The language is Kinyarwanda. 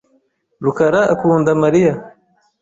rukaraakunda Mariya.